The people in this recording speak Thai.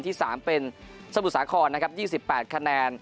ที่๓เป็นชมบุรีสาคร๒๘คะแนน